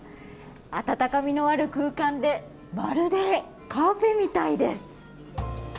温かみのある空間でまるでカフェみたいです。